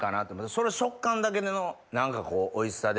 それ食感だけでの何かこうおいしさで。